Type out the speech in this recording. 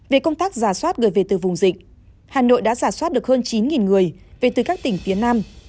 về công tác giả soát người về từ vùng dịch hà nội đã giả soát được hơn chín người về từ các tỉnh phía nam